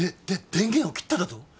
で電源を切っただと！？